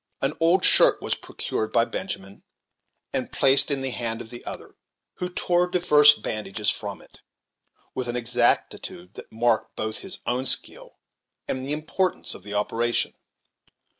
An old shirt was procured by Benjamin, and placed in the hand of the other, who tore divers bandages from it, with an exactitude that marked both his own skill and the importance of the operation.